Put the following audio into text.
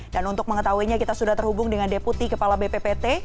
untuk mengetahuinya kita sudah terhubung dengan deputi kepala bppt